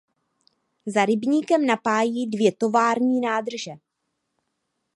Za rybníkem napájí dvě tovární nádrže.